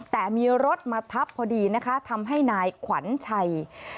แต่มีรถมาทับพอดีนะคะทำให้นายขวัญชัย